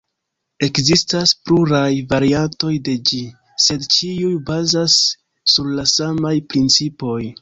Ekzistas pluraj variantoj de ĝi, sed ĉiuj bazas sur la samaj principoj.